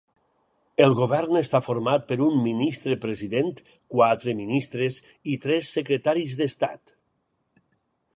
El govern està format per un Ministre-president, quatre ministres i tres secretaris d'estat.